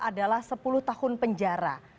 adalah sepuluh tahun penjara